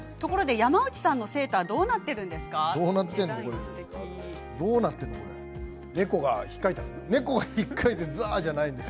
山内さんのセーターどうなっているんですかときています。